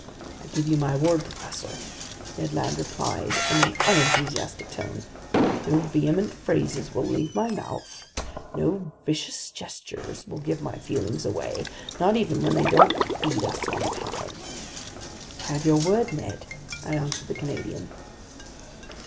"I give you my word, professor," Ned Land replied in an unenthusiastic tone. "No vehement phrases will leave my mouth, no vicious gestures will give my feelings away, not even when they don't feed us on time." "I have your word, Ned," I answered the Canadian.